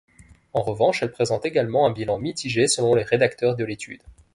En revanche, elle présente également un bilan mitigée selon les rédacteurs de l’étude.